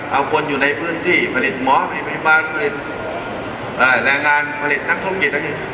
เอาคนอยู่ในพื้นที่ผลิตหมอผลิตบริษัทผลิตแหลงการผลิตทั้งธุรกิจทั้งอย่างนี้